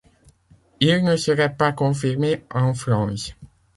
Ils ne seraient pas confirmés en France.